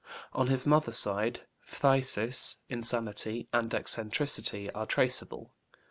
On his mother's side, phthisis, insanity, and eccentricity are traceable.